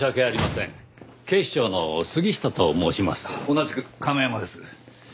同じく亀山です。